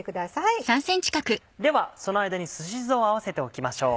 ではその間にすし酢を合わせておきましょう。